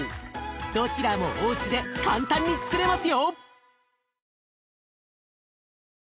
どちらもおうちで簡単につくれますよ！